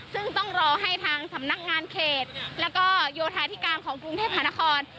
ซึ่งต้องรอให้ทางสำนักงานเขตแล้วก็โยธาธิการของกรุงเทพหานคร